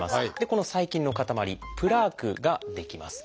この細菌の塊「プラーク」が出来ます。